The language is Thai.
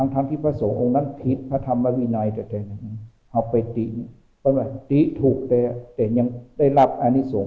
ทั้งที่พระสูงค์องค์นั้นพิษพระธรรมวินัยไป